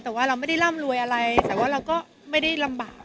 แต่ว่าเราไม่ได้ร่ำรวยอะไรแต่ว่าเราก็ไม่ได้ลำบาก